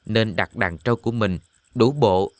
nên đặt đàn trâu của mình đủ bộ